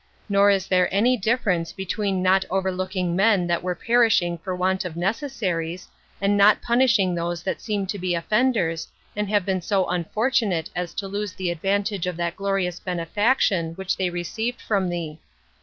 Nor is there any difference between not overlooking men that were perishing for want of necessaries, and not punishing those that seem to be offenders, and have been so unfortunate as to lose the advantage of that glorious benefaction which they received from thee.